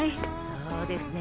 そうですね。